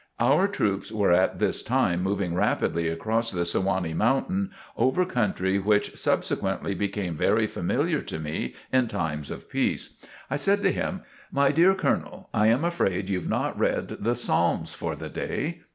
Our troops were at this time moving rapidly across the Sewanee Mountain, over country which subsequently became very familiar to me in times of peace. I said to him; "My dear Colonel, I am afraid you've not read the Psalms for the day."